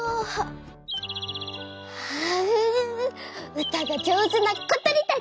「うたがじょうずなことりたち！